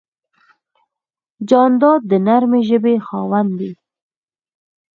جانداد د نرمې ژبې خاوند دی.